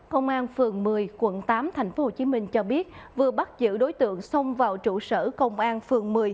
công an phường một mươi quận tám tp hcm cho biết vừa bắt giữ đối tượng xông vào trụ sở công an phường một mươi